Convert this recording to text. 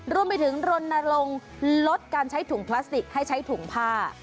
รวมไปถึงรณรงค์ลดการใช้ถุงพลาสติกให้ใช้ถุงผ้า